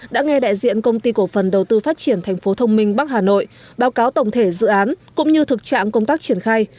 đã nghe đại diện công ty cổ phần đầu tư phát triển tp thbh báo cáo tổng thể dự án cũng như thực trạng công tác triển khai